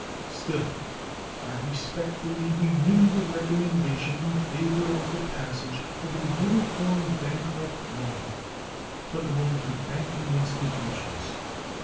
Still, I respectfully renew the recommendation in favor of the passage of a uniform bankrupt law applicable to banking institutions.